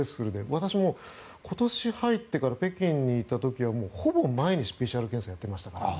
私も今年入ってから北京にいた時はほぼ毎日ＰＣＲ検査やっていましたね。